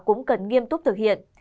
cũng cần nghiêm túc thực hiện